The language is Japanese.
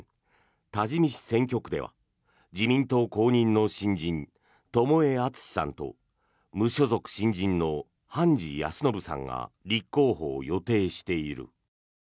多治見市選挙区では自民党公認の新人、友江惇さんと無所属新人の判治康信さんが立候補を予定している。